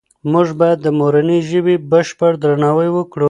موږ باید د مورنۍ ژبې بشپړ درناوی وکړو.